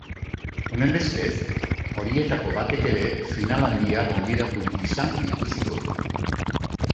Honenbestez, horietako batek ere final handia gonbidatu gisa ikusiko du.